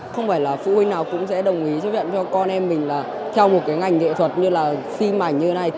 không phải là phụ huynh nào cũng sẽ đồng ý xuất viện cho con em mình là theo một cái ngành nghệ thuật như là phim ảnh như thế này